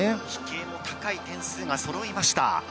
飛型も高い点数がそろいました。